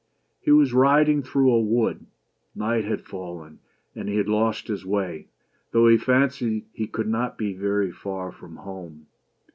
H e was riding through a wood. Night had fallen, and he had lost his way, though he fancied he could not be very far from home.